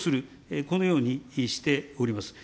このようにしております。